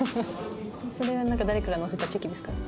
それは誰かが載せたチェキですかね。